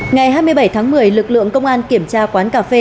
ngày hai mươi bảy tháng một mươi lực lượng công an kiểm tra quán cà phê